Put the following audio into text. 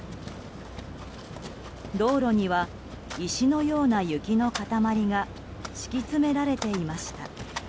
道路には石のような雪の塊が敷き詰められていました。